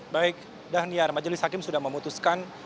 baik dhaniar majelis hakim sudah memutuskan